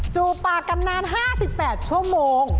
จูบปากกันนานห้าสิบแปดชั่วโมง